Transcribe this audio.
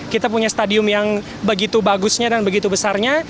kita punya stadium yang begitu bagusnya dan begitu besarnya